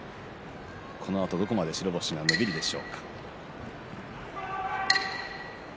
このあとどこまで白星が伸びるでしょうか。